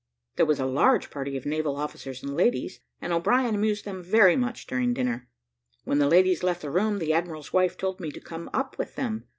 There was a large party of naval officers and ladies, and O'Brien amused them very much during dinner. When the ladies left the room, the admiral's wife told me to come up with them!